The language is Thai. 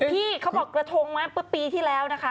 พี่เขาบอกกระทงปีที่แล้วนะคะ